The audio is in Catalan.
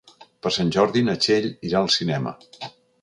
Per Sant Jordi na Txell irà al cinema.